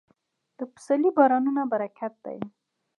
د پسرلي بارانونه برکت دی.